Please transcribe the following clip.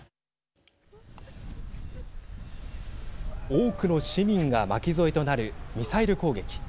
多くの市民が巻き添えとなるミサイル攻撃。